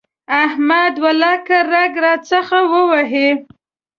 احمد ولاکه رګ راڅخه ووهي.